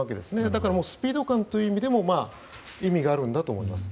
だからスピード感という意味でも意味があるんだと思います。